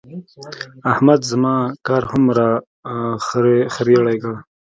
احمد زما کار هم را خرېړی کړ.